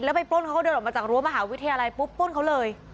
ไปปล้นเขาก็เดินออกมาจากรั้วมหาวิทยาลัยปุ๊บปล้นเขาเลย